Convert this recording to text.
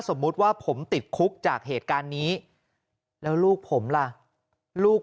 สมมุติว่าผมติดคุกจากเหตุการณ์นี้แล้วลูกผมล่ะลูก